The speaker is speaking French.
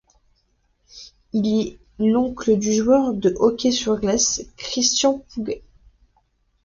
Il est l'oncle du joueur de hockey sur glace Christian Pouget.